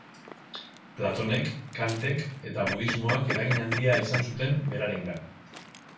Platonek, Kantek eta budismoak eragin handia izan zuten berarengan.